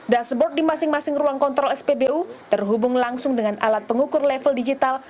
dashboard di masing masing ruang kontrol spbu terhubung langsung dengan alat pengukur level digital